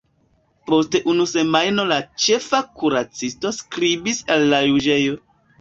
Post unu semajno la ĉefa kuracisto skribis al la juĝejo.